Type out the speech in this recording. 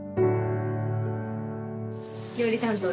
料理担当です。